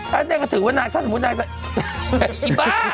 ก่อนล็อกดาวน์ให้ดูแล้ว